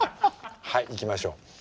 はいいきましょう。